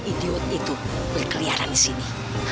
idiot itu berkeliaran di sini